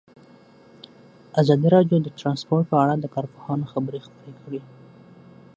ازادي راډیو د ترانسپورټ په اړه د کارپوهانو خبرې خپرې کړي.